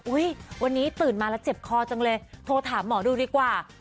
วันนี้ตื่นมาแล้วเจ็บคอจังเลยโทรถามหมอดูดีกว่า